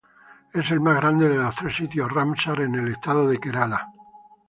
Es el más grande de los tres sitios Ramsar en el estado de Kerala.